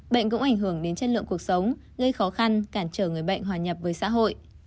bệnh cũng ảnh hưởng đến chất lượng cuộc sống gây khó khăn cản trở người bệnh hòa nhập với xã hội